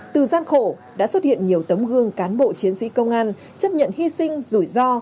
từ gian khổ đã xuất hiện nhiều tấm gương cán bộ chiến sĩ công an chấp nhận hy sinh rủi ro